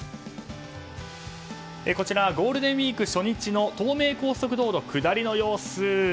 こちらゴールデンウィーク初日の東名高速道路下りの様子。